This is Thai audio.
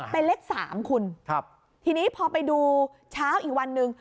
เป็นเลข๓คุณทีนี้พอไปดูเช้าอีกวันนึง